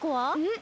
ん？